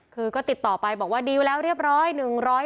คือก็ติดต่อไปบอกว่าดีลแล้วเรียบร้อย